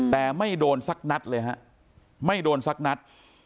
แต่ไม่โดนสักนัดเลยฮะไม่โดนสักนัด